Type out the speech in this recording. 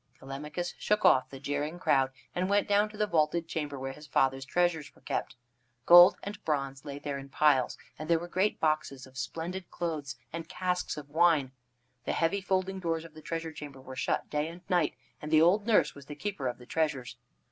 Telemachus shook off the jeering crowd, and went down to the vaulted chamber where his father's treasures were kept. Gold and bronze lay there in piles, and there were great boxes of splendid clothes, and casks of wine. The heavy folding doors of the treasure chamber were shut day and night, and the old nurse was the keeper of the treasures.